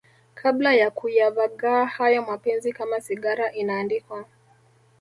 kabla ya kuyavagaa hayo mapenzi Kama sigara inaandikwa